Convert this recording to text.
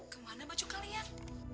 kemana baju kalian